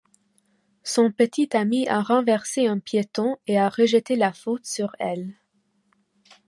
Son petit ami a renversé un piéton et a rejeté la faute sur elle.